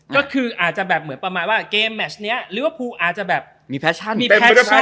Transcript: ก็คืออาจจะแบบเหมือนประมาณว่าเกมแมชนี้ลิเวอร์พูลอาจจะแบบมีแฟชั่นมีแฟชั่น